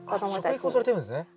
食育もされてるんですね。